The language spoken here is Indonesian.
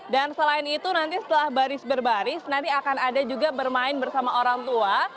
dan selain itu nanti setelah baris berbaris nanti akan ada juga bermain bersama orang tua